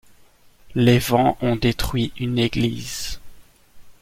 Les vents ont détruit une église.